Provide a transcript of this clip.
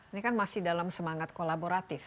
ini kan masih dalam semangat kolaboratif